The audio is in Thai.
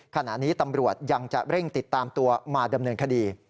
ขณะนี้ตำรวจยังจะเร่งติดตามตัวมาดำเนินคดี